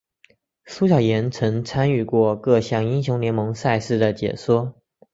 苏小妍曾参与过各项英雄联盟赛事的解说。